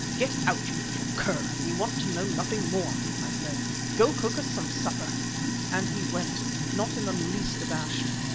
get out, you little cur! We want to know nothing more," I said. "Go, cook us some supper," and he went, not in the least abashed.